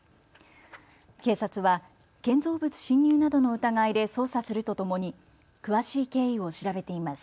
警察は建造物侵入などの疑いで捜査するとともに詳しい経緯を調べています。